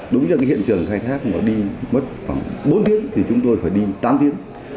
đúng như hiện trường khai thác mà đi mất khoảng bốn tiếng thì chúng tôi phải đi tám tiếng